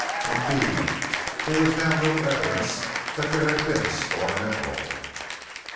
Indeed, there was now little evidence that there had been a storm at all.